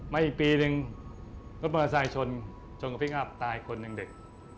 อีกปีหนึ่งรถมอเตอร์ไซค์ชนชนกับพี่งับตายคนหนึ่งเด็ก